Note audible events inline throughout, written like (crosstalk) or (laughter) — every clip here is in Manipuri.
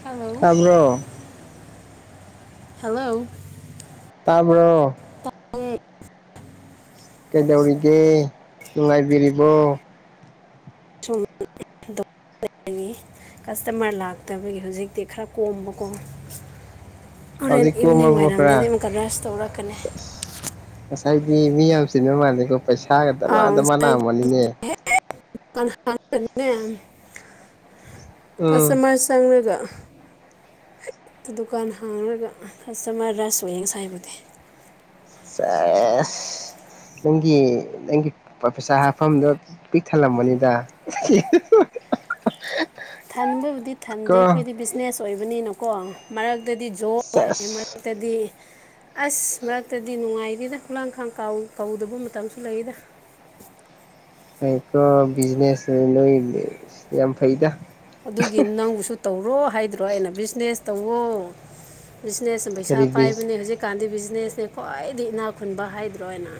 ꯍꯜꯂꯣ ꯀ꯭ꯔꯣ ꯍꯜꯂꯣ ꯇꯥꯕ꯭ꯔꯣ ꯀꯩꯗꯧꯔꯤꯒꯦ ꯅꯨꯡꯉꯥꯏꯕꯤꯔꯤꯕꯣ ꯑꯗꯨ ꯀꯁꯇꯃꯔ ꯂꯥꯛꯇꯕꯒꯤ ꯍꯧꯖꯤꯛꯇꯤ ꯈꯔ ꯀꯣꯝꯕꯀꯣ ꯑꯣꯔ ꯍꯧꯖꯤꯛ ꯏꯚꯅꯤꯡꯒ ꯀꯣꯝꯃꯕꯣ ꯃꯥꯏꯔꯗꯗꯤ ꯈꯔ ꯍꯨ ꯀꯔ ꯔꯦꯁ ꯇꯧꯔꯀꯅꯤ ꯍꯥꯏꯗꯤ ꯃꯤ ꯌꯥꯝ ꯆꯅ ꯃꯥꯥꯟꯂꯀꯣ ꯄꯩꯁꯥꯒꯗ ꯃꯥꯗ ꯃꯥ ꯂꯑꯃꯅꯤꯅꯦ ꯗꯨ ꯍꯅꯦ ꯀꯁꯇꯃꯔ ꯆꯪꯉꯒ ꯎ ꯑ ꯗꯨꯀꯥꯟ ꯍꯥꯡꯔꯒ ꯀꯁꯇꯃꯔ ꯔꯁ ꯑꯣꯏꯌꯦ ꯉꯁꯥꯏꯕꯨꯗꯤ ꯁꯦꯁ ꯅꯪꯒꯤ ꯅꯪꯒꯤ ꯄꯩꯁꯥ ꯍꯥꯞꯐꯝꯗꯣ ꯄꯤꯛ ꯊꯜꯂꯝꯕꯅꯤꯗ ꯊꯟꯕꯕꯨꯗꯤ ꯊꯟꯗꯦ ꯑꯩꯈꯣꯏꯗꯤ ꯕꯤꯖꯤꯅꯦꯁ ꯑꯣꯏꯕꯅꯤꯅꯀꯣ ꯃꯔꯛ ꯑꯗꯨꯗꯤ ꯖꯣ ꯍꯥꯏ ꯃꯔ ꯁꯦꯁ ꯃꯇꯗꯤ ꯑꯁ ꯃꯔꯛꯇꯗꯤ ꯅꯨꯡꯉꯥꯏꯔꯤꯗ ꯍꯂꯥꯡꯈꯥꯡꯥꯎ ꯀꯧꯗꯕ ꯃꯇꯝꯁꯨ ꯂꯩꯗ ꯑꯩꯣ ꯕꯤꯖꯤꯅꯦꯁ ꯅꯣꯏ ꯌꯥꯝ ꯐꯩꯗ ꯑꯗꯨꯒꯤ ꯅꯪꯕꯨꯁꯨ ꯇꯧꯔꯣ ꯍꯥꯏꯗ꯭ꯔꯣ ꯑꯩꯅ ꯕꯤꯖꯤꯅꯦꯁ ꯇꯧꯋꯣ ꯕꯤꯖꯤꯅꯦꯁ ꯄꯩꯁꯥ ꯀꯔꯤ ꯕꯤꯖ ꯄꯥꯏꯕꯅꯦ ꯍꯧꯖꯤꯛꯀꯥꯟꯗꯤ ꯕꯤ ꯕꯤꯖꯤꯅꯦꯁꯅꯦ ꯈ꯭ꯋꯥꯏꯗꯒꯤ ꯏꯅꯥ ꯈꯨꯟꯕ ꯍꯥꯏꯗ꯭ꯔꯣꯅ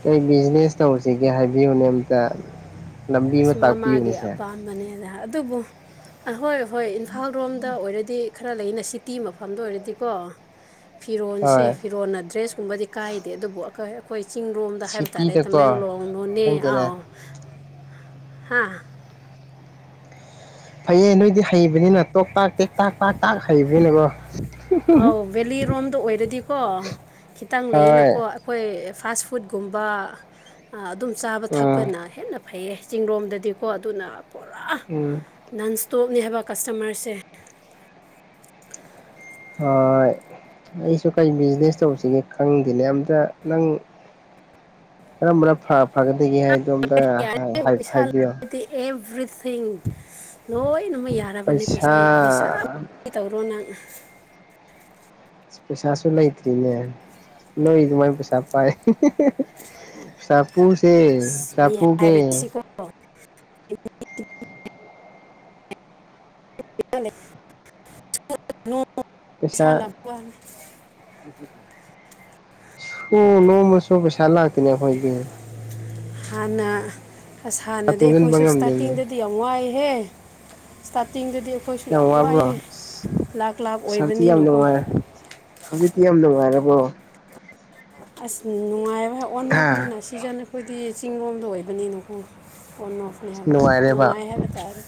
ꯀꯔꯤ ꯕꯤꯖꯤꯅꯦꯁ ꯇꯧꯁꯤꯒꯦ ꯍꯥꯏꯕꯤꯌꯨꯅꯦ ꯑꯝꯇ ꯂꯝꯕꯤ ꯑꯃ ꯑꯁ ꯃꯥ ꯃꯥꯒꯤ ꯇꯥꯛꯄꯤꯌꯨꯅꯦꯁꯦ ꯑꯄꯥꯝꯕꯅꯦꯗ ꯑꯗꯨꯕꯨꯍꯣꯏ ꯍꯣꯏ ꯏꯝꯐꯥꯜ ꯔꯣꯝꯗ ꯑꯣꯏꯔꯗꯤ ꯇꯤ ꯈꯔ ꯂꯩꯅ ꯁꯤꯇꯤ ꯃꯐꯝꯗ ꯑꯣꯏꯔꯗꯤꯀꯣ ꯐꯤꯔꯣꯁꯦ ꯍꯣꯏ ꯐꯤꯔꯣꯅ ꯗ꯭ꯔꯦꯁ ꯨꯝꯕꯗꯤ ꯀꯥꯏꯗꯦ ꯑꯗꯨꯕꯨ ꯑꯩꯈꯣꯏ ꯑꯩꯈꯣꯏ ꯆꯤꯡ ꯂꯣꯝꯗ ꯍꯥꯏꯕ ꯇꯥꯔꯦ ꯁꯤꯇꯤꯗꯀꯣ ꯇꯃꯦꯡꯂꯣꯡ ꯅꯣꯅꯦ ꯈꯪꯗꯦꯅꯦ ꯑꯥꯎ ꯍꯥꯥ ꯐꯩꯌꯦ ꯅꯣꯏꯗꯤ ꯍꯩꯕꯅꯤꯅ ꯇꯣꯛ ꯇꯥꯛ ꯇꯦꯛ ꯇꯥꯛ ꯇꯥꯛ ꯇꯥꯛ ꯍꯩꯕꯅꯤꯅꯦꯀꯣ ꯑꯧ ꯚꯦꯂꯤꯔꯣꯝꯗ ꯑꯣꯏꯔꯗꯤꯀꯣ ꯈꯤꯇꯪ ꯍꯣꯏ ꯂꯩꯌꯦꯅꯀꯣ ꯑꯩꯈꯣꯏ ꯐꯥꯁ ꯐꯨꯗꯀꯨꯝꯕ ꯑꯗꯨꯝ ꯆꯥꯕ ꯎꯝ ꯊꯛꯄꯅ ꯍꯦꯟꯅ ꯐꯩꯌꯦ ꯆꯤꯡꯡꯂꯣꯝꯗꯗꯤꯀꯣ ꯑꯗꯨꯅ ꯄꯨꯔꯥ ꯎꯝ ꯅꯟꯁ ꯇꯣꯞꯅꯦ ꯍꯥꯏꯕ ꯀꯁꯇꯃꯔꯁꯦ ꯑ ꯑꯩꯁꯨ ꯀꯔꯤ ꯕꯤꯖꯤꯅꯦꯁ ꯇꯧꯁꯤꯒꯦ ꯈꯪꯗꯦꯅꯦ ꯑꯝꯇ ꯅꯪ ꯀꯔꯝꯕ ꯐꯒꯗꯒꯦ ꯍꯥꯏꯗ ꯑꯝꯇ ꯍꯥꯏꯕꯤꯌꯣ ꯊꯦꯡ ꯂꯣꯏꯅꯃꯛ ꯌꯥꯔꯕꯅꯦ ꯄꯩꯁꯥ ꯄꯩꯁꯥ ꯇꯧꯔꯣ ꯅꯪ ꯄꯩꯁꯥꯁꯨ ꯂꯩꯇ꯭ꯔꯤꯅꯦ ꯅꯣꯏ ꯑꯗꯨꯃꯥꯏ ꯄꯩꯁꯥ ꯄꯥꯏ ꯑꯁ ꯆꯄꯨꯁꯦ ꯃꯤ ꯆꯄꯨ ꯀꯦ ꯍꯥꯏꯕꯁꯤꯀꯣ (inaudible) (inaudible) ꯄꯩꯁꯥ ꯂꯥꯛꯄ ꯋꯥꯅꯤ ꯁꯣ ꯂꯣꯡꯃ ꯁꯣꯕꯁꯂ ꯂꯥꯛꯇꯅꯦ ꯑꯩꯈꯣꯏꯗꯤ ꯍꯥꯟꯅ ꯑꯁ ꯄꯩꯁꯥ ꯍꯥꯟꯅꯗꯤ ꯇꯨꯡꯁꯤꯟꯕ ꯑꯩꯈꯣꯏꯁꯨ ꯉꯝꯗꯦꯅꯦ ꯏꯁꯇꯥꯔꯇꯤꯡꯗꯗꯤ ꯌꯥꯝ ꯋꯥꯏ ꯍꯦ ꯏꯁꯇꯥꯇꯤꯡꯗꯨꯗꯤ ꯑꯩꯈꯣꯏꯁꯨ ꯌꯥꯝ ꯋꯥꯕ꯭ꯔꯣ ꯋꯥꯏꯑꯦ ꯑꯁ ꯂꯥ ꯂꯥꯞ ꯍꯧꯖꯤꯛꯇꯤ ꯌꯥꯝ ꯑꯣꯏꯕꯅꯤꯅꯀꯣ ꯅꯨꯡꯉꯥꯏꯔꯦ ꯍꯧꯖꯤꯛꯇꯤ ꯌꯥꯝ ꯅꯨꯡꯉꯥꯏꯔꯕꯣ ꯑꯁ ꯅꯨꯡꯉꯥꯏꯕ ꯑꯣꯟ ꯍꯥ ꯍꯐꯅꯤꯅ ꯁꯤꯖꯟꯅ ꯑꯩꯈꯣꯏꯗꯤ ꯆꯤꯡꯂꯣꯝꯗ ꯑꯣꯏꯕꯅꯤꯅꯀꯣ ꯑꯣ ꯅꯅꯦ ꯍꯥꯏꯕ ꯅꯨꯡꯉꯥꯏ ꯍꯥꯏꯕ ꯇꯥꯏꯔꯦ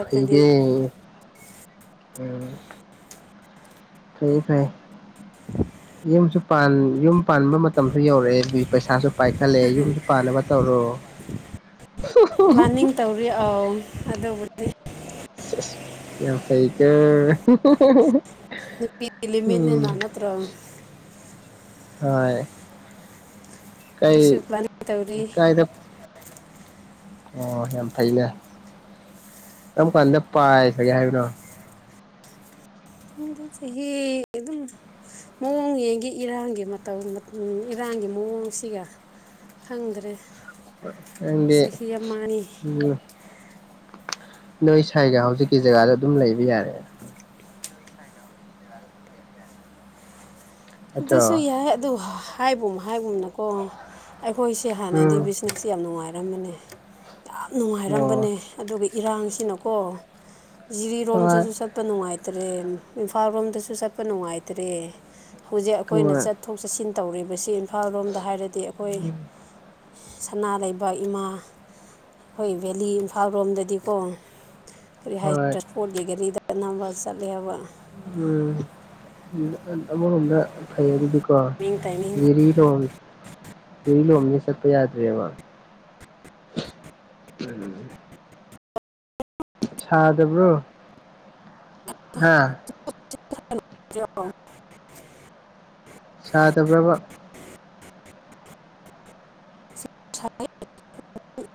ꯐꯩꯗ ꯎ ꯐ ꯐꯩ ꯌꯨꯝꯁꯨ ꯌꯨꯝ ꯄꯥꯟꯕ ꯃꯇꯝꯁꯨ ꯌꯧꯔꯛꯑꯦ ꯄꯩꯁꯥꯁꯨ ꯄꯥꯏꯈꯠꯂꯦ ꯌꯨꯝꯁꯨ ꯄꯥꯅꯕ ꯇꯧꯔꯣ ꯄ꯭ꯂꯥꯟꯅꯤꯡ ꯇꯧꯔꯤ ꯑ ꯑꯗꯨꯕꯨꯗꯤ ꯌꯥꯝ ꯐꯩ ꯀꯦ ꯅꯨꯄꯤ ꯂꯤꯃꯤꯠꯅꯦꯅ ꯅꯠꯇ꯭ꯔꯣ ꯍꯣꯏ ꯀꯥꯏ ꯑꯗꯨꯁꯨ ꯄ꯭ꯂꯥꯅꯤꯡ ꯇꯧꯔꯤ ꯀꯥꯏꯗ ꯑꯣ ꯌꯥꯝ ꯐꯩꯅꯦ ꯀꯔꯝ ꯀꯥꯟꯗ ꯄꯥꯏꯈꯒꯦ ꯍꯥꯏꯕꯅꯣ ꯗ ꯆꯍꯤ ꯑꯗꯨꯝ ꯃꯑꯣꯡ ꯌꯦꯡꯒꯤ ꯏꯔꯥꯡꯒꯤ ꯃꯇꯧ ꯏꯔꯥꯡ ꯃꯑꯣꯡꯁꯤꯒ ꯈꯪꯗ꯭ꯔꯦ ꯑꯦꯗꯤ ꯆꯍꯤ ꯑꯃ ꯑꯅꯤ ꯎꯝ ꯅꯣꯏ ꯁꯥꯏꯒ ꯍꯧꯖꯤꯛꯀꯤ ꯖꯒꯥꯗ ꯑꯗꯨꯝ ꯂꯩꯕ ꯌꯥꯔꯦ ꯑꯗꯨꯁꯨ ꯅꯠꯇ꯭ꯔꯣ ꯌꯥꯏ ꯑꯗꯨ ꯍꯥꯏꯕꯨꯝ ꯍꯥꯏꯕꯨꯝꯅꯀꯣ ꯑꯩꯈꯣꯏꯁꯦ ꯍꯥꯟꯅꯗꯤ ꯎꯝ ꯕꯤꯖꯤꯅꯦꯁꯁ ꯌꯥꯝ ꯅꯨꯡꯉꯥꯏꯔꯝꯕꯅꯦ ꯌꯥꯝ ꯑꯣ ꯅꯨꯡꯉꯥꯏꯔꯝꯕꯅꯦ ꯑꯗꯨꯒ ꯏꯔꯥꯡꯁꯤꯅꯀꯣ ꯍꯣꯏ ꯖꯤꯔꯤꯔꯣꯝꯗꯁꯨ ꯆꯠꯄ ꯅꯨꯡꯉꯥꯏꯇꯦ ꯇ꯭ꯔꯦ ꯏꯝꯐꯥꯜ ꯔꯣꯝꯗꯁꯨ ꯆꯠꯄ ꯅꯨꯡꯉꯥꯏꯇ꯭ꯔꯦ ꯍꯧꯖꯤꯛ ꯑꯩꯈꯣꯏꯅ ꯍꯣꯏ ꯆꯠꯊꯣꯛ ꯆꯠꯁꯤꯟ ꯇꯧꯔꯤꯕꯁꯤ ꯏꯝꯐꯥꯜ ꯔꯣꯝꯗ ꯍꯥꯏꯔꯗꯤ ꯑꯩꯈꯣꯏ ꯎꯝ ꯁꯅꯥ ꯂꯩꯕꯥꯛ ꯏꯃꯥ ꯑꯩꯈꯣꯏ ꯚꯦꯂꯤ ꯏꯝꯐꯥꯜ ꯔꯣꯝꯗꯗꯤꯀꯣ ꯀꯔꯤ ꯍꯣꯏ ꯍꯥꯏꯁꯤꯔ ꯏꯁꯄꯣꯔꯠꯒꯤ ꯒꯥꯔꯤꯗ ꯆꯅꯕ ꯆꯠꯂꯦꯕ ꯎꯝ ꯑꯃꯣꯝꯗ ꯐꯩ ꯑꯗꯨ ꯇꯥꯏꯃꯤꯡ ꯇꯥꯏꯃꯤꯡ ꯔꯤꯔꯣ ꯂꯩ ꯂꯣꯅꯤꯁꯠꯇ ꯌꯥꯗ꯭ꯔꯦ ꯃꯥ ꯎꯝ ꯁꯗꯕ꯭ꯔꯣ ꯍꯥ (unintelligible) ꯁꯥꯗꯕ꯭ꯔꯕ (unintelligible)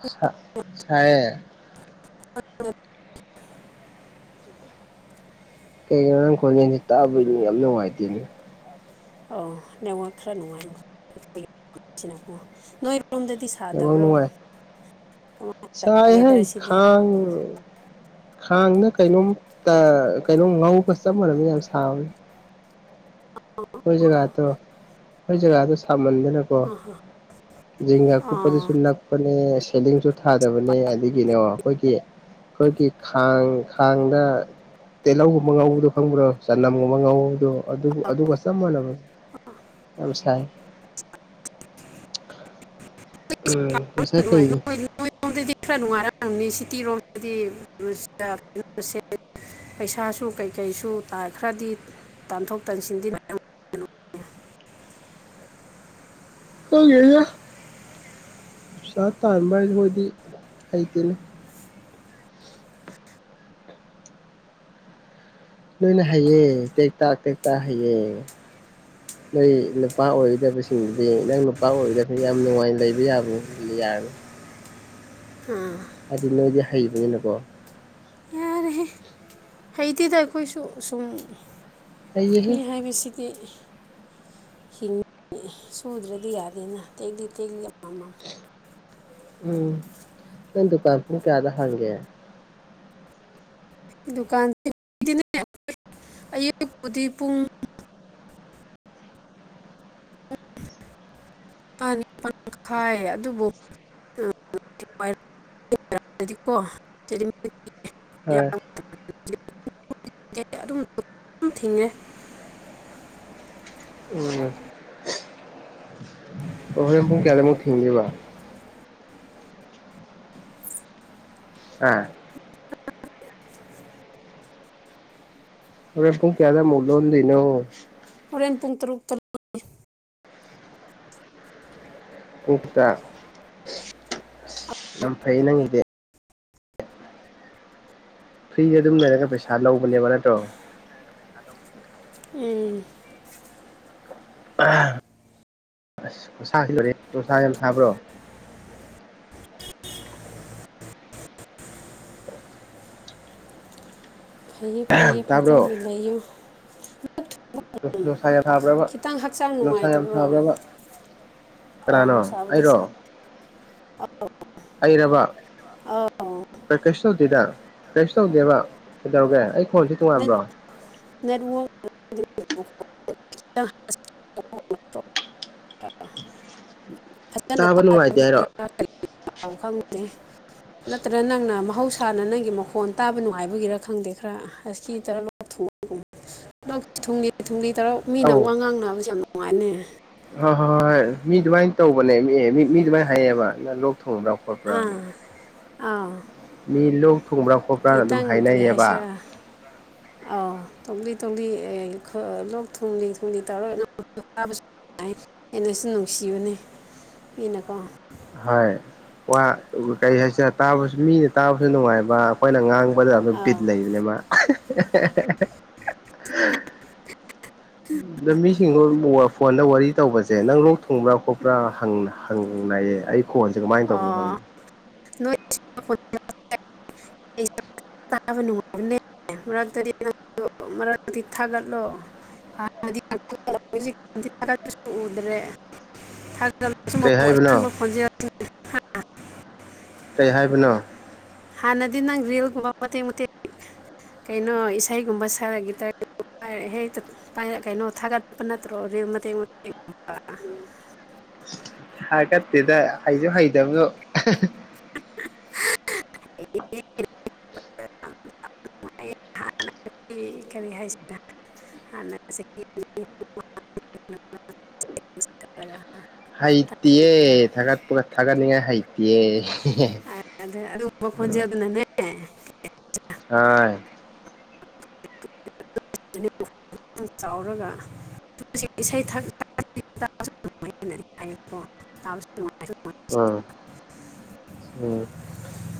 ꯁꯥ ꯁꯥꯏꯌꯦ ꯑ ꯀꯩꯀꯩ ꯉꯔꯥꯡ ꯈꯣꯂ ꯇꯥꯕ ꯌꯥꯝ ꯅꯨꯡꯉꯥꯏꯇꯦꯅꯦ ꯑꯥꯎ ꯂꯦꯎ ꯈꯔ ꯅꯉ ꯅꯣꯏ ꯑꯦꯕ ꯅꯅꯨꯡꯉꯥꯏ ꯀꯃꯥꯏ ꯆꯥꯏ ꯍꯩ ꯋꯦꯗꯔꯁꯤꯗꯤ ꯈꯪ ꯈꯥꯡꯅ ꯀꯩꯅꯣꯝ ꯀꯩꯅꯣꯝ ꯉꯒ ꯆꯞ ꯃꯥꯟꯅꯕꯅꯤ ꯌꯥꯝ ꯁꯥꯕꯅꯤ ꯑꯣ ꯒꯥꯣ ꯑꯣ ꯒꯣ ꯁ ꯃꯗꯦ ꯅ ꯀꯣ ꯤꯒꯥꯥ ꯀꯨ ꯄꯁꯨ ꯑꯥ ꯁꯦꯁꯨ ꯊꯥꯗꯕꯅꯦ ꯑꯗꯒꯤꯅꯦ ꯑꯩꯈꯣꯏꯒꯤ ꯑꯩꯈꯣꯏꯒꯤ ꯈꯥꯡ ꯊꯥꯡꯗ ꯇꯤꯍꯧꯒꯨꯝꯕ ꯉꯧꯕꯗꯣ ꯐꯪꯕ꯭ꯔꯣ ꯆꯅꯝꯒꯨꯝꯕ ꯉꯧꯕꯗꯣ ꯃꯅꯕ ꯑ ꯁꯥꯏ ꯎꯝ ꯃꯁꯥꯏ ꯀꯩ ꯑꯪꯅꯤ ꯁꯤꯇꯤꯔꯣꯝꯗꯗꯤ ꯀꯩꯅꯣꯁꯦ ꯄꯩꯁꯥꯁꯨ ꯀꯩꯀꯩꯁꯨ ꯇꯥꯈ꯭ꯔꯗꯤ ꯇꯥꯟꯊꯣꯛ ꯇꯥꯟꯁꯤꯟꯗꯤ (unintelligible) ꯈꯪꯗꯦꯗꯥ ꯁꯥꯇꯔ ꯃꯍꯔꯦ ꯃꯣꯗꯤ ꯍꯥꯏꯇꯅꯦ ꯂꯣꯏꯅ ꯍꯩꯌꯦ ꯇꯦꯛꯇꯥꯛ ꯇꯦꯛꯇꯥꯛ ꯍꯩꯌꯦ ꯅꯣꯏ ꯅꯨꯄꯥ ꯑꯣꯏꯒꯣꯏꯗꯕꯁꯤꯡꯗꯨꯗꯤ ꯅꯪ ꯅꯨꯄꯥ ꯑꯣꯏꯒꯗꯕꯁꯤꯡ ꯌꯥꯝ ꯅꯨꯡꯉꯥꯏꯅ ꯂꯩꯕ ꯌꯥꯕ ꯌꯥꯔꯦ ꯑꯥ ꯑꯗꯨꯗꯤ ꯅ ꯑꯣꯏꯗꯤ ꯍꯩꯕꯅꯤꯅꯨꯀꯣ ꯌꯥꯔꯦꯍꯦ (unintelligible) ꯍꯩꯇꯦꯗ ꯑꯩꯈꯣꯏꯁꯨ ꯁꯨꯝ ꯍꯩꯌꯦꯍꯦ ꯃꯤ ꯍꯥꯏꯕꯁꯤꯗꯤ ꯍꯤꯡꯉꯤ ꯁꯨꯗ꯭ꯔꯗꯤ ꯌꯥꯗꯦꯅ ꯇꯦꯛꯂꯤ ꯇꯦꯛꯂꯤ ꯑꯃꯃ ꯎꯝ ꯅ ꯗꯨꯀꯥꯟ ꯐ ꯀꯌꯥꯗ ꯍꯥꯡꯒꯦ ꯗꯨꯀꯥꯟꯁꯤ ꯑꯌꯨꯄꯨꯗꯤ ꯄꯨꯡ (unintelligible) ꯅꯤ ꯄ ꯈꯥꯏ ꯑꯗꯨꯕꯨ ꯗꯤ ꯀꯣ ꯑꯗꯨꯝ ꯍꯣꯏ ꯑꯗꯨꯝ ꯊꯤꯡꯉꯦ (unintelligible) ꯎꯝ ꯑꯣ ꯍꫭꯡ ꯄꯨꯡ ꯀꯌꯥꯗ ꯃꯛ ꯊꯤꯡꯗꯨꯏꯕ (inaudible) ꯑꯥ ꯍꫭꯔ‌ꯦꯟ ꯄꯨꯡ ꯀꯌꯥꯗ ꯃꯨꯛ ꯂꫭꯟꯗꫭꯏꯅꫭ ꯍꯣꯔꯦꯟ (unintelligible) ꯎꯛꯇ ꯌꯥꯝ ꯐꯩ ꯅꯪꯒꯤꯗꯤ ꯐ꯭ꯔꯤꯗ ꯑꯗꯨꯝ ꯂꯩꯔꯒ ꯄꯩꯁꯥ ꯂꯧꯕꯅꯦꯕ ꯅꯠꯇ꯭ꯔꯣ ꯎꯝ ꯑꯁ ꯈꯨꯁꯁꯤ ꯂꫭꯏꯔ‌ꯦ ꯅꯨꯡꯁꯥ ꯌꯥꯝ ꯁꯥꯕ꯭ꯔꯣ ꯐꯩꯌꯦ ꯐꯩꯌꯦ ꯇꯥꯕ꯭ꯔꯣ ꯐꯖꯅ ꯂꯩꯌꯨ ꯅꯨꯡꯁꯥ ꯌꯥꯝ ꯁꯥꯕ꯭ꯔꯕ ꯈꯤꯇꯪ ꯍꯛꯆꯥꯡ ꯅꯨꯡꯁꯥ ꯌꯥꯝ ꯅꯨꯡꯉꯥꯏꯇꯕ꯭ꯔꯣ ꯁꯥꯕ꯭ꯔꯕ ꯀꯅꯅꯣ ꯑꯩꯔꫭ ꯑ (unintelligible) ꯑꯩꯔꯔꯕ ꯀꯩ ꯇꯧꯗꯦꯗ ꯀꯩꯁꯨ ꯇꯧꯗꯦꯕ ꯀꯩꯗꯧꯔꯒꯦ ꯑꯩ ꯈꯣꯟꯁꯦ ꯅ ꯇꯣꯉꯥꯟꯕ꯭ꯔꯣ ꯅ (unintelligible) (unintelligible) ꯐꯖꯅ ꯇꯥ ꯇꯥꯕ ꯅꯨꯡꯉꯥꯏꯇꯦ ꯈꯪꯦ ꯍꯥꯏꯔꯣ (unintelligible) (inaudible) ꯅꯠꯇ꯭ꯔ ꯅꯪꯅ ꯃꯍꯧꯁꯥꯅ ꯅꯪꯒꯤ ꯃꯈꯣꯟ ꯇꯥꯕ ꯅꯨꯡꯉꯥꯏꯕꯒꯤꯔ ꯈꯪꯗꯦ ꯈꯔ ꯑꯁꯀꯤ ꯇꯔꯊ, (unintelligible) ꯂꫭꯛ ꯊꯨꯡꯂꯤ ꯊꯨꯡꯂꯤ ꯇꯔ ꯃꯤꯅ ꯑꯧ ꯋꯥ ꯉꯥꯡ ꯅꯕꯁꯦ ꯌꯥꯝ ꯅꯨꯡꯉꯥꯏꯕꯅꯦ ꯍꯣꯏ ꯍꯣꯏ ꯍꯣꯏ ꯍꯣꯏ ꯃꯤ ꯑꯗꯨꯃꯥꯏꯅ ꯇꯧꯕꯅꯦ ꯃꯤ ꯑꯗꯨꯃꯥꯏꯅ ꯍꯥꯏꯌꯦꯕꯥ ꯂꫭꯛ ꯊꯨꯡ ꯈꫭꯠꯄꯔꯥꯅꯥ ꯑꯥ ꯃꯤ ꯂꯣꯛ ꯊꯨꯡꯕ꯭ꯔꯥ ꯈꯣꯠꯄ꯭ꯔꯥꯅ ꯑꯗꯨꯝ ꯈꯤꯇꯪ ꯍꯥꯏꯅꯩꯑꯌꯦꯕ ꯑꯥꯎ ꯇꯣꯛꯂꯤ ꯇꯣꯛꯂꯤ ꯂꯣꯛ ꯊꯨꯡꯂꯤ ꯊꯨꯡꯂꯤ ꯇꯧꯔꯣꯏ (unintelligible) ꯑꯩꯅꯁꯨ ꯅꯨꯡꯁꯤꯕꯨꯅꯦ ꯑꯩꯅꯀꯣ ꯍꫭꯏ ꯋꯥ ꯀꯩꯍꯥꯏꯁꯤꯔꯥ ꯇꯕꯁꯨ ꯃꯤꯅ ꯇꯥꯕꯁꯨ ꯅꯨꯡꯉꯥꯏꯕ ꯑꯩꯈꯣꯏꯅ ꯉꯥꯡꯕꯗ ꯑꯗꯨꯝ ꯕꯤꯠ ꯑꯧ ꯂꯩꯕꯅꯦꯕ (unintelligible) ꯑꯗꫭ ꯃꯤꯁꯤꯡꯗꯣ ꯐꯣꯟꯅ ꯋꯥꯔꯤ ꯇꯧꯕꯁꯦ ꯅꯪ ꯂꯣꯛ ꯊꯨꯡꯕ꯭ꯔꯥ ꯈꯣꯠꯄ꯭ꯔꯥ ꯍꯪꯅꯏꯌꯦ ꯑꯩ ꯈꫭꯟꯁꯦ ꯀꯃꯥꯏꯅ ꯇꯧꯕꯅꯣ ꯑꯣ ꯈꯪꯗ‌ꯦ ꯅꯣꯏ (inaudible) ꯇꯥꯕꯉ (unintelligible) ꯑꯃꯥꯔꯛꯇꯤ ꯊꯥꯒꯠꯂꯣ ꯍꯥꯟ ꯎꯗ꯭ꯔꯦ (unintelligible) (inaudible) ꯀꯩ ꯍꯥꯏꯕꯅꯣ ꯨꯝꯕ ꯈꯣꯟꯖꯦꯜ (unintelligible) ꯀꯩ ꯍꯥꯏꯕꯅꯣ ꯍꯥꯟꯅꯗꯤ ꯅꯪ ꯔꯤꯜꯒꯨꯝꯕ ꯃꯇꯦꯛ ꯃꯇꯦꯛ ꯀꯩꯅꯣ ꯏꯁꯩꯒꯨꯝꯕ ꯁꯔꯈꯤ ꯇꯔ (unintelligible) ꯔ ꯍꯦꯛꯇ ꯄꯥꯏꯔꯛ ꯀꯩꯅꯣ ꯊꯥꯒꯠꯄ ꯅꯠꯇ꯭ꯔꯣ ꯃꯇꯦꯡ ꯃꯇ (unintelligible) (inaudible) ꯊꯒꯠꯇꯦꯗ ꯍꯩꯁꯨ ꯍꯩꯇꯕꯗꯨ ꯑꯦ (unintelligible) ꯍꯥꯟꯅꯀꯤ ꯀꯔꯤ ꯍꯥꯏꯁꯤꯅ ꯍꯥꯟꯅ ꯆꯍꯤ (unintelligible) ꯂꯒ ꯍꯩꯏꯇꯤꯌ‌ꯦ ꯊꯒꯠ ꯄꯒ ꯊꯒꯠ ꯅꯤꯡꯉ‌‌ꯦ ꯍꯩꯏ ꯌꯦ ꯑꯗꯣ ꯑꯗꯨꯒꯨꯝꯕ ꯈꯣꯟꯖꯦꯜꯗꯨꯅꯅꯦ ꯑ ꯆꯥꯎꯔꯒ ꯏꯁꯩ (unintelligible) (unintelligible) ꯅꯨꯡꯉꯥꯏ ꯎꯝ ꯎꯝ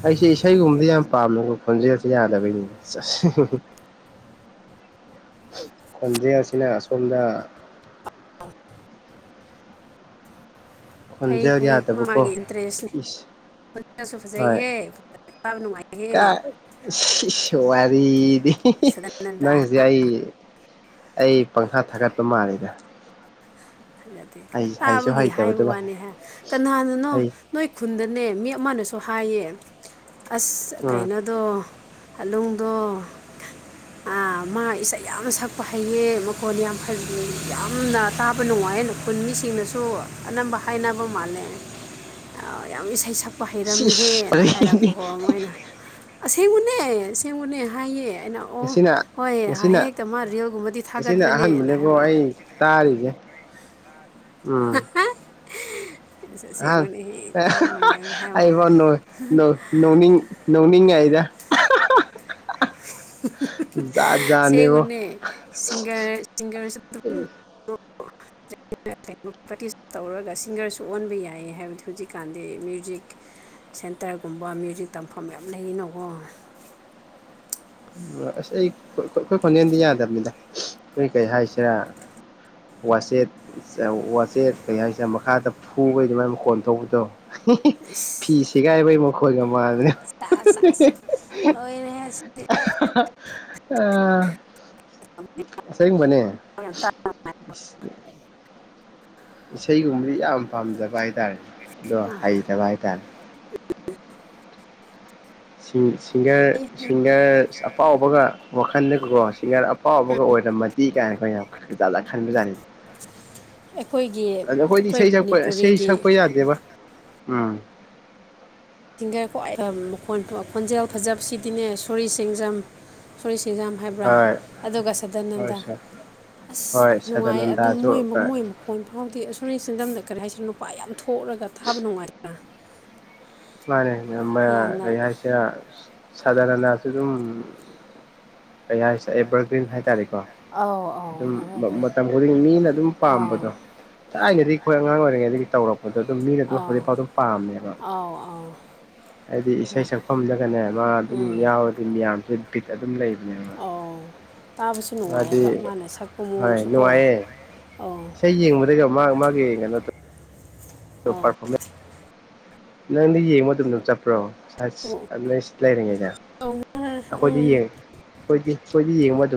ꯑꯩꯁꯦ ꯏꯁꯩꯒꯨꯝꯕꯗꯤ ꯌꯥꯝ ꯄꯥꯝꯃꯦ ꯈꯣꯟꯖꯦꯜꯁꯨ ꯌꯥꯗꯕꯩꯅꯤ ꯆꯦꯆ ꯈꯣꯟꯖꯦꯜꯁꯤꯅ ꯑ ꯁꯣꯝꯗ ꯑꯟꯑꯣꯗꯤꯕꯜ ꯈꯣꯟꯖꯦꯜ ꯐꯩ ꯃꯥ ꯌꯥꯗꯕꯀꯣ ꯃꯥꯒꯤ ꯏꯟꯇꯔꯦꯁꯅꯤ ꯏꯁ ꯈꯣꯟꯖꯦꯜꯁꯨ ꯍꯣꯏ ꯐꯖꯩꯍꯦ ꯇꯥꯕ ꯅꯨꯡꯉꯥꯏꯍꯦ ꯀꯥꯎ ꯏꯁ ꯏꯁ ꯋꯥ ꯗꯤ ꯁꯗꯥꯅꯟꯗ ꯅꯪꯁꯤ ꯑꯩꯏ ꯑꯩ ꯄꯪꯊꯥ ꯊꯥꯒꯠꯄ ꯃꯥꯜꯂꯤꯗ ꯑꯟꯑꯣꯗꯤꯕꯜ ꯗꯤ ꯑꯩ ꯍꯩꯁꯨ ꯇꯥꯕꯒꯤ ꯍꯥꯏꯕ ꯍꯩꯇꯕꯗꯨꯕꯨ ꯋꯥꯅꯤ ꯍꯥꯏ ꯀꯅꯥꯅꯅꯣ ꯑꯩ ꯅꯣꯏ ꯈꯨꯟꯗꯅꯦ ꯃꯤ ꯑꯃꯅ ꯁꯨ ꯍꯥꯏꯌꯦ ꯑꯁ ꯎꯝ ꯀꯩꯅꯣꯗꯣ ꯑꯂꯨꯡꯗꯣ ꯑ ꯃꯥ ꯏꯁꯩ ꯌꯥꯝꯅ ꯁꯛꯄ ꯍꯩꯌꯦ ꯃꯈꯣꯟꯅ ꯌꯥꯝ ꯐꯖꯅꯦ ꯌꯥꯝꯅ ꯇꯥꯕ ꯅꯨꯡꯉꯥꯏꯌꯦ ꯈꯨꯟ ꯃꯤꯁꯤꯡꯅꯁꯨ ꯑꯅꯝꯕ ꯍꯥꯏꯅꯕ ꯃꯥꯜꯂꯦ ꯌꯥꯝ ꯏꯁꯩ ꯁꯛ ꯄ ꯁꯤꯁ ꯍꯩꯔꯝꯃꯤꯍꯦꯅ ꯑꯗꯒꯤꯗꯤ ꯍꯥꯏꯔꯛꯄꯀꯣ ꯃꯣꯏꯅ ꯑꯁꯦꯡꯕꯅꯦ ꯑꯁꯦꯡꯕꯅꯦ ꯍꯥꯏꯌꯦ ꯑꯩꯅ ꯑꯣ ꯉꯁꯤꯅ ꯍꯣꯏ ꯉꯁꯤꯅ ꯍꯦꯛꯇ ꯃꯥ ꯔꯤꯌꯦꯜꯒꯨꯝꯕꯗꯤ ꯊꯥꯒꯠꯄꯅꯦꯅ ꯍꯥꯏꯕ ꯇꯥꯔꯤꯖꯦ ꯎꯝ ꯁꯦ ꯑꯁꯦꯡꯕꯅꯤ ꯑꯩꯉꯣꯟ ꯅꯣꯡ ꯅꯣꯡ ꯅꯣꯅꯤꯡ ꯅꯣꯛꯅꯤꯡꯉꯥꯏꯗ ꯖꯥꯠ ꯑꯟꯏꯟꯇꯦꯜꯂꯤꯖꯦꯕꯜ ꯖꯥꯠꯅꯦꯕꯣ ꯁꯦꯡꯕꯅꯦ ꯁꯤꯡꯒꯔ ꯁꯤꯡꯒꯔ ꯑꯟꯏꯟꯇꯦꯜꯂꯤꯖꯦꯕꯜ (inaudible) ꯄ꯭ꯔꯦꯛꯇꯤꯁ ꯇꯧꯔꯒ ꯁꯤꯡꯒꯔꯁꯨ ꯑꯣꯟꯕ ꯌꯥꯏꯌꯦ ꯍꯥꯏꯕꯗꯤ ꯍꯧꯖꯤꯛꯀꯥꯟꯗꯤ ꯃ꯭ꯌꯨꯖꯤꯛ ꯁꯦꯟꯇꯔꯒꯨꯝꯕ ꯃ꯭ꯌꯨꯖꯤꯛ ꯇꯝꯐꯝ ꯌꯥꯝ ꯂꯩꯔꯤꯅꯀꯣ ꯑꯟꯑꯣꯗꯤꯕꯜ ꯎ ꯑꯁ ꯑꯩ ꯑꯩꯈꯣꯏ ꯈꯣꯟꯖꯦꯟꯗꯤ ꯌꯥꯗꯕꯅꯤꯅ ꯅꯈꯣꯏ ꯀꯔꯤ ꯍꯥꯏꯁꯤꯔꯥ ꯋꯥꯆꯦꯠ ꯆ ꯋꯥꯆꯦꯠ ꯀꯩ ꯍꯥꯏꯁꯤꯔꯥ ꯃꯈꯥꯗ ꯐꯨꯕꯩ ꯑꯗꯨꯃꯥꯏꯅ ꯀꯣꯟꯊꯧꯕꯗꯣ ꯍꯤꯍꯤ ꯐꯤꯁꯤꯒꯥꯏꯕꯩ ꯃꯈꯣꯜꯒ ꯆꯥꯁ ꯆꯥꯁ ꯂꯣꯏꯔꯦꯍꯦ ꯑꯍꯍꯍꯍ ꯑ ꯑꯁꯦꯡꯕꯅꯦ ꯏꯁꯩꯒꯨꯝꯕꯗꯤ ꯌꯥꯝ ꯄꯥꯝꯖꯕ ꯍꯥꯏ ꯇꯔꯦ ꯑꯗꯣ ꯍꯩꯇꯕ ꯍꯥꯏꯇꯥꯔꯦ ꯁꯤ ꯁꯤꯡꯒꯔ ꯁꯤꯡꯒꯔ ꯁ ꯑꯐꯥꯎꯕꯒ ꯋꯥꯈꯜꯗꯒꯀꯣ ꯁꯤꯡꯒꯔ ꯑꯐꯥꯎꯕꯒ ꯑꯣꯏꯔꯝꯃꯗꯤ ꯀꯥꯏꯅꯀꯣ ꯌꯥꯝ ꯖꯥꯖꯥꯠ ꯈꯟꯕꯖꯥꯠꯅꯤꯗ ꯑꯩꯈꯣꯏꯒꯤ ꯑꯗ ꯑꯩꯈꯣꯏꯗꯤ ꯑꯩꯈꯣꯏ ꯏꯁꯩ ꯁꯛꯄ ꯏꯁꯩ ꯃꯅꯤꯄꯨꯔꯤꯒꯤ ꯁꯛꯄ ꯌꯥꯗꯦꯕ ꯎꯝ ꯁꯤꯡꯒꯔ ꯈ꯭ꯋꯥꯏ ꯈ ꯈꯣꯟꯖꯦꯜ ꯐ ꯈꯣꯟꯖꯦꯜ ꯐꯖꯕꯁꯤꯗꯤꯅꯦ ꯁꯣꯔꯤ ꯁꯦꯡꯖꯝ ꯁꯣꯔꯤ ꯁꯤꯖꯥꯝ ꯍꯥꯏꯕ꯭ꯔꯥ ꯍꯣꯏ ꯑꯗꯨꯒ ꯍꯣꯏ ꯁꯗꯥꯅꯟꯗ ꯁꯥꯔ ꯑꯁ ꯍꯣꯏ ꯅꯨꯡꯉꯥꯏꯌꯦ ꯑꯗꯨꯝ ꯁꯗꯥꯅꯟꯗꯁꯨ ꯃꯣꯏ ꯃ ꯃꯣꯏ ꯃꯈꯣꯟ ꯐꯥꯎꯗꯦ ꯑ ꯁꯣꯔꯤ ꯁꯦꯟꯖꯝ ꯅ ꯀꯔꯤ ꯍꯥꯏꯁꯔꯥ ꯅꯨ ꯄꯥ ꯌꯥꯝ ꯊꯣꯛꯑꯒ ꯊꯥꯕ ꯅꯨꯡꯉꯥꯏꯇ꯭ꯔꯥ ꯃꯥꯅꯦ ꯌꯥꯝꯅ ꯀꯔꯤ ꯍꯥꯏꯁꯤꯔꯥ ꯁꯥꯗꯅꯅ ꯁꯨ ꯑꯗꯨꯝ ꯀꯩ ꯍꯥꯏꯁꯦ ꯑꯦꯕꯔꯒ꯭ꯔꯤꯟ ꯍꯥꯏꯇꯥꯔꯦꯀꯣ ꯑꯧ ꯑꯗꯨꯝ ꯃ ꯑꯧ ꯃꯇꯝ ꯈꯨꯗꯤꯡ ꯃꯤꯅ ꯑꯗꯨꯝ ꯑꯥꯎ ꯄꯥꯝꯕꯗꯣ ꯊꯥꯏꯅꯗꯤ ꯑꯩꯈꯣꯏ ꯑꯉꯥꯡ ꯑꯣꯏꯔꯤꯉꯩꯗꯒꯤ ꯇꯧꯔꯛꯄꯗꯣ ꯑꯗꯨꯝ ꯃꯤꯅ ꯑꯗꯨꯝ ꯑꯥꯎ ꯍꯧꯖꯤꯛꯐꯥꯎ ꯑꯗꯨꯝ ꯄꯥꯝꯃꯦꯕ ꯑꯥꯎ ꯑꯥꯎ ꯑꯩꯗꯤ ꯏꯁꯩ ꯁꯛꯐꯝꯗꯒꯅꯦ ꯃꯥ ꯑꯗꯨꯝ ꯌꯥꯎꯔꯗꯤ ꯃꯌꯥꯝꯁꯦ ꯕꯤꯠ ꯑꯗꯨꯝ ꯂꯩꯕꯅꯦꯕ ꯑꯥꯎ ꯇꯥꯕꯁꯨ ꯃꯥꯗꯤ ꯅꯨꯡꯉꯥꯏꯌꯦꯕ ꯃꯥꯅ ꯁꯛꯄ ꯍꯣꯏ ꯃꯑꯣꯡꯁꯨꯀꯣ ꯅꯨꯡꯉꯥꯏꯌꯦ ꯑꯧ ꯏꯁꯩ ꯌꯦꯡꯕꯗꯒꯤ ꯃꯥ ꯃꯥꯒꯤ ꯀꯩꯅꯣ ꯇꯧ ꯑꯧ ꯄꯔꯐꯣꯔꯃꯦꯟꯁ ꯅꯪꯗꯤ ꯌꯦꯡꯕ ꯃꯇꯝꯗ ꯆꯠꯄ꯭ꯔꯣ ꯁ ꯂꯩꯔꯤꯉꯩꯗ ꯎꯝ ꯑꯩꯈꯣꯏꯗꯤꯣꯏꯗꯤ ꯁꯣꯏꯗꯤ ꯌꯦꯡꯕꯗ